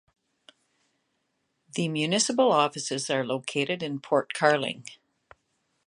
The municipal offices are located in Port Carling.